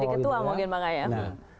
menjadi ketua mungkin bang ayah